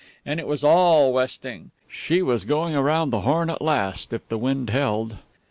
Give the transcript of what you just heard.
And it was all westing. She was going around the Horn at last ... if the wind held.